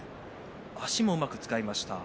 足もうまく使いました。